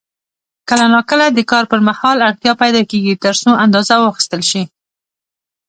کله نا کله د کار پر مهال اړتیا پیدا کېږي ترڅو اندازه واخیستل شي.